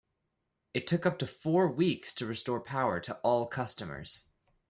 It took up to four weeks to restore power to all customers.